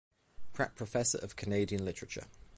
Pratt Professor of Canadian Literature.